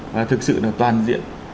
và thực sự là toàn diện